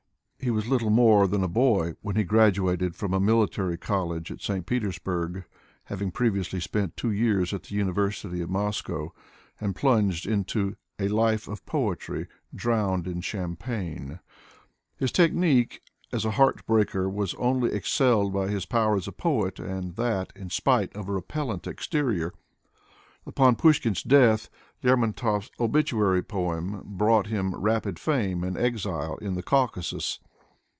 He was little more than a boy when he graduated from a military college at St Petersburg, having previously spent two years at the Uni versity of Moscow, and plunged into " a life of poetry, drowned in champagne.'' His technique as a heart breaker was only excelled by his power as a poet, and that, in spite of a repellent exterior. Upon Pushkin's death Lermontov's obituary poem brought him rapid fame and exile to the Caucasus.